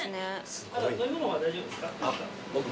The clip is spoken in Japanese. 飲み物は大丈夫ですか？